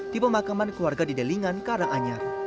di pemakaman keluarga di delingan karanganyar